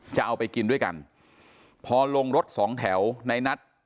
จะเอาไปกินด้วยกันพอลงรถสองแถวในนัท